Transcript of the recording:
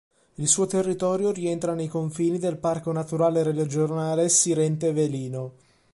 Il suo territorio rientra nei confini del parco naturale regionale Sirente-Velino.